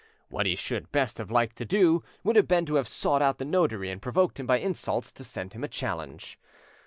What he should best have liked to do, would have been to have sought out the notary and provoked him by insults to send him a challenge.